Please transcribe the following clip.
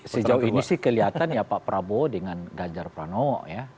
sejauh ini sih kelihatan ya pak prabowo dengan ganjar pranowo ya